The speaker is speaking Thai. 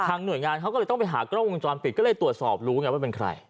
หน่วยงานเขาก็เลยต้องไปหากล้องวงจรปิดก็เลยตรวจสอบรู้ไงว่าเป็นใคร